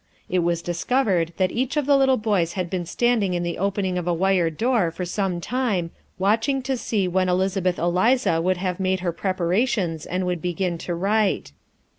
It was discovered that each of the little boys had been standing in the opening of a wire door for some time, watching to see when Elizabeth Eliza would have made her preparations and would begin to write.